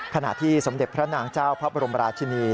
ขณะที่สมเด็จพระนางเจ้าพระบรมราชินี